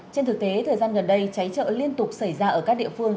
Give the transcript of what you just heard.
trên thực tế thời gian gần đây cháy trợ liên tục xảy ra ở các địa phương